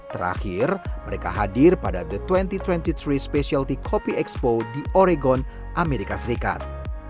terakhir mereka hadir pada the dua ribu dua puluh tiga specialty copy expo di oregon amerika serikat